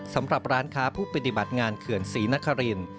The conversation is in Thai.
สำหรับร้านค้าผู้ปฏิบัติงานเขื่อนศรีนคริน